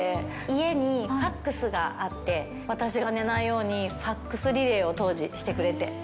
家にファックスがあって、私が寝ないように、ファックスリレーを当時、してくれて。